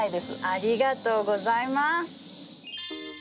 ありがとうございます。